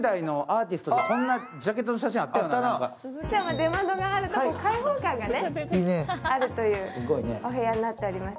今日は出窓があるところ、開放感があるというお部屋になっております。